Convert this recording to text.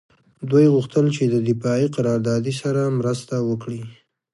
دوی غوښتل چې د دفاعي قراردادي سره مرسته وکړي